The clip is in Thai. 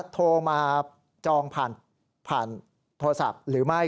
โทรมาจองผ่านโทรศัพท์หรือไม่